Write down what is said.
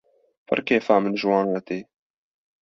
Pir kêfa min ji wan re tê.